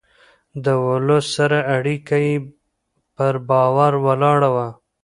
د ولس سره اړيکه يې پر باور ولاړه وه.